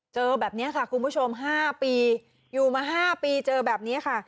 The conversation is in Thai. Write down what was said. เจอแบบนี้ค่ะคุณผู้ชม๕ปีอยู่มา๕ปีเจอแบบนี้ค่ะ